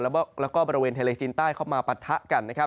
แล้วก็บริเวณไทยและจีนใต้เข้ามาปะทะกัน